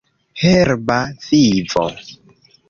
Herba vivo...